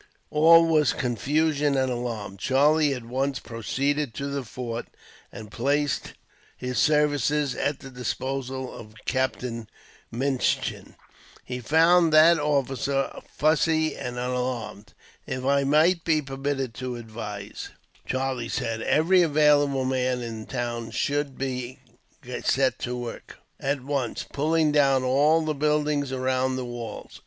All was confusion and alarm. Charlie at once proceeded to the fort, and placed his services at the disposal of Captain Minchin. He found that officer fussy, and alarmed. "If I might be permitted to advise," Charlie said, "every available man in the town should be set to work, at once, pulling down all the buildings around the walls.